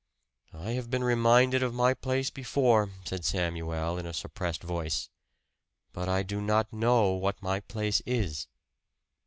"I have been reminded of my place before," said Samuel, in a suppressed voice. "But I do not know what my place is."